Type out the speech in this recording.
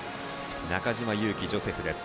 中島佑気ジョセフ。